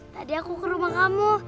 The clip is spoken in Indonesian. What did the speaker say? tadi aku ke rumah kamu